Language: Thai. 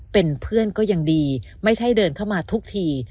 เป็นเพื่อนก็ยังดีไม่ใช่เดินเข้ามาทุกที